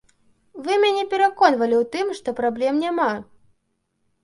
Вы мяне пераконвалі ў тым, што праблем няма.